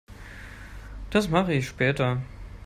Das mache ich später.